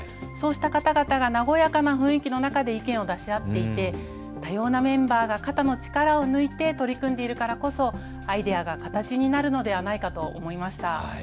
そうした方々が和やかな雰囲気の中で意見を出し合っていて多様なメンバーが肩の力を抜いて取り組んでいるからこそアイデアが形になるのではないかと思いました。